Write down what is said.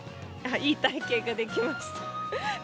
いい体験ができました。